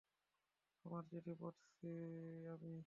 তোমার চিঠি পড়েছি আমি।